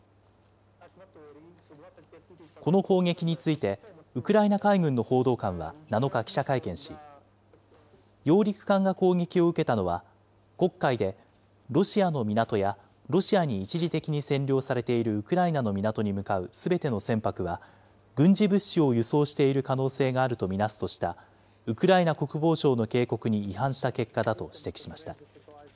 この攻撃について、ウクライナ海軍の報道官は７日、記者会見し、揚陸艦が攻撃を受けたのは、黒海で、ロシアの港やロシアに一時的に占領されているウクライナの港に向かうすべての船舶が、軍事物資を輸送している可能性があるとみなすとしたウクライナ国防省の警告に違反した結果だと指摘しました。